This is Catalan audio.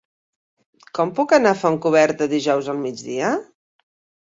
Com puc anar a Fontcoberta dijous al migdia?